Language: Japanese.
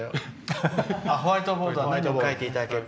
「ホワイトボードは何を描いていただける。